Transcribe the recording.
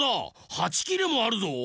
８きれもあるぞ。